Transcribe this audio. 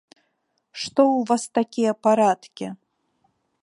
Што ў вас такія парадкі!